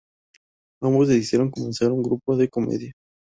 Ambos decidieron comenzar un grupo de comedia.